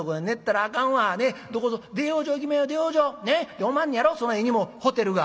でおまんねやろその絵にもホテルが」。